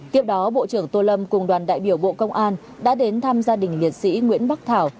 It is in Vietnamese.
tiếp đó bộ trưởng tô lâm cùng đoàn đại biểu bộ công an đã đến thăm gia đình liệt sĩ nguyễn bắc thảo